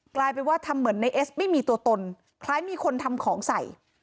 กลายเป็นว่าทำเหมือนในเอสไม่มีตัวตนคล้ายมีคนทำของใส่